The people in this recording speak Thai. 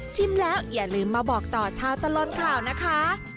แล้วอย่าลืมมาบอกต่อชาวตลอดข่าวนะคะ